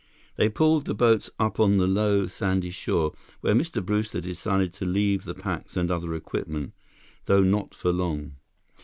They pulled the boats up on the low, sandy shore, where Mr. Brewster decided to leave the packs and other equipment, though not for long.